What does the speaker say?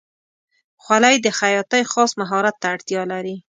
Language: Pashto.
خولۍ د خیاطۍ خاص مهارت ته اړتیا لري.